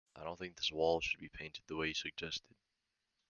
I don't think this wall should be painted the way you suggested.